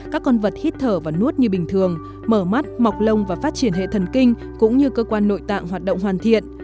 các con vật hít thở và nuốt như bình thường mở mắt mọc lông và phát triển hệ thần kinh cũng như cơ quan nội tạng hoạt động hoàn thiện